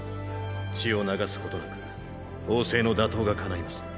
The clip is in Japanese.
血を流すことなく王政の打倒が叶います。